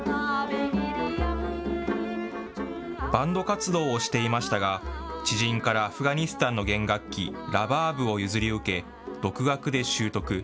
バンド活動をしていましたが、知人からアフガニスタンの弦楽器、ラバーブを譲り受け、独学で習得。